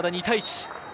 ２対１。